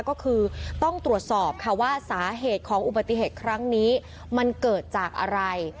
ก็คือต้องตรวจสอบค่ะว่าสาเหตุของอุบัติเหตุครั้งนี้มันเกิดจากอะไร